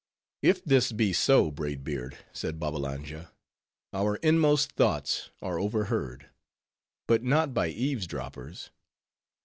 "If this be so, Braid Beard," said Babbalanja, "our inmost thoughts are overheard; but not by eaves droppers.